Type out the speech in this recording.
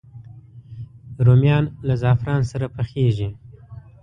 رومیان له زعفران سره پخېږي